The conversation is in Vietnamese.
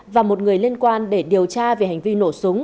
và một người liên quan để điều tra về hành vi nổ súng